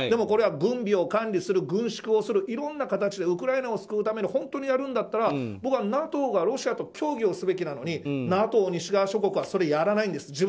これは軍備を管理する軍縮をするいろんな形でウクライナを救うために本当にやるんだったらＮＡＴＯがロシアと協議をすべきなのにＮＡＴＯ、西側諸国はそれをやらないんです。